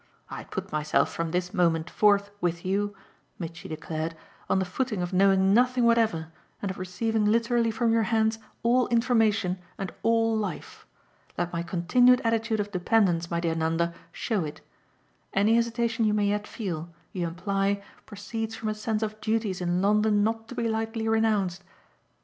I put myself from this moment forth with you," Mitchy declared, "on the footing of knowing nothing whatever and of receiving literally from your hands all information and all life. Let my continued attitude of dependence, my dear Nanda, show it. Any hesitation you may yet feel, you imply, proceeds from a sense of duties in London not to be lightly renounced?